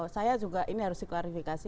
saya juga ini harus diklarifikasi